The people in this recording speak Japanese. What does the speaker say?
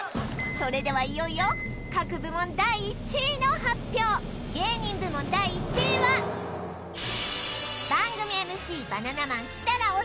それではいよいよ各部門第１位の発表芸人部門第１位は番組ＭＣバナナマン設楽統